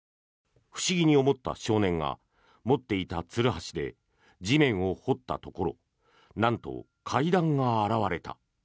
不思議に思った少年が持っていたつるはしで地面を掘ったところなんと階段が現れた。